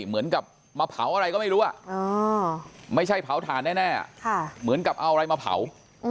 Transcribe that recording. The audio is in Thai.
เหมือนกับมาเผาอะไรก็ไม่รู้ไม่ใช่เผาถ่านแน่เหมือนกับเอาอะไรมาเผา